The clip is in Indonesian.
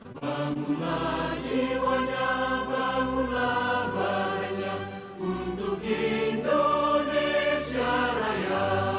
bangunlah jiwanya bangunlah badannya untuk indonesia raya